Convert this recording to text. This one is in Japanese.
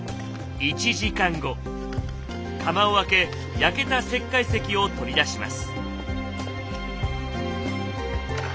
窯を開け焼けた石灰石を取り出します。